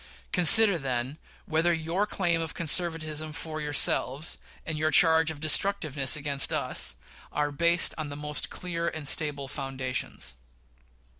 Consider, then, whether your claim of conservatism for yourselves, and your charge of destructiveness against us, are based on the most clear and stable foundations.